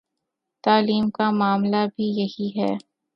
تعلیم کا معاملہ بھی یہی ہے۔